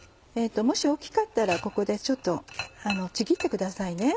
もし大きかったらここでちょっとちぎってくださいね。